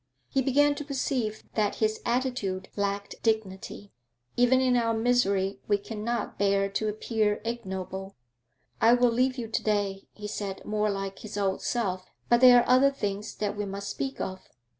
He began to perceive that his attitude lacked dignity; even in our misery we cannot bear to appear ignoble. 'I will leave you to day,' he said, more like his old self. 'But there are other things that we must speak of.